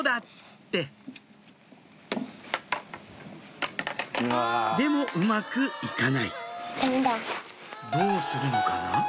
ってでもうまく行かないどうするのかな？